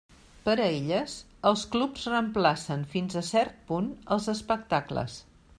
Per a elles, els clubs reemplacen fins a cert punt els espectacles.